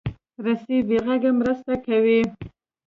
رسۍ بې غږه مرسته کوي.